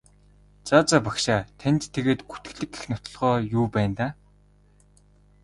За за багшаа танд тэгээд гүтгэлэг гэх нотолгоо юу байна даа?